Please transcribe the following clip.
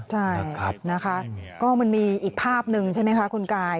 ใช่นะคะก็มันมีอีกภาพหนึ่งใช่ไหมคะคุณกาย